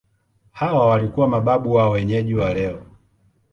Hawa walikuwa mababu wa wenyeji wa leo.